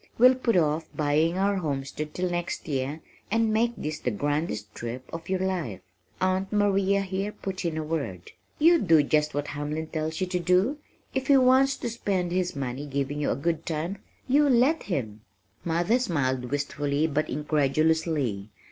"We'll put off buying our homestead till next year and make this the grandest trip of your life." Aunt Maria here put in a word, "You do just what Hamlin tells you to do. If he wants to spend his money giving you a good time, you let him." Mother smiled wistfully but incredulously.